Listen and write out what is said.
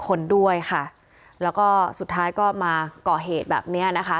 คนด้วยค่ะแล้วก็สุดท้ายก็มาก่อเหตุแบบเนี้ยนะคะ